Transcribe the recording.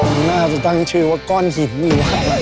มันน่าจะตั้งชื่อก้อนหินอยู่